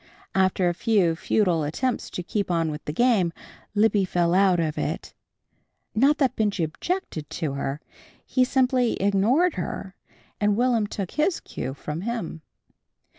After a few futile attempts to keep on with the game, Libby fell out of it. Not that Benjy objected to her. He simply ignored her, and Will'm took his cue from him.